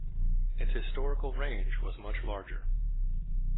Its historical range was much larger.